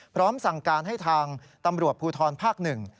พร้อมสั่งการให้ทางตำรวจภูทรภาคหนึ่ง